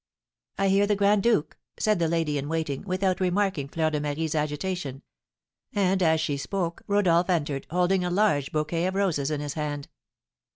"I hear the grand duke," said the lady in waiting, without remarking Fleur de Marie's agitation; and, as she spoke, Rodolph entered, holding a large bouquet of roses in his hand.